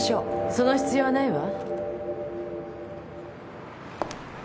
・その必要はないわ。